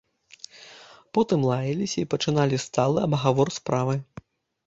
Потым лаяліся і пачыналі сталы абгавор справы.